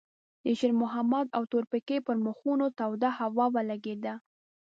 د شېرمحمد او تورپيکۍ پر مخونو توده هوا ولګېده.